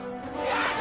やった！